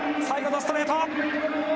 最後のストレート。